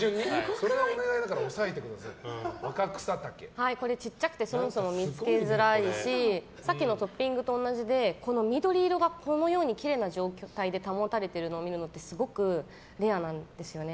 それはお願いだからこれ小さくてそもそも見つけづらいしさっきのトッピングと同じでこの緑色がこんなふうにきれいな状態で保たれているのを見るのってすごくレアなんですよね。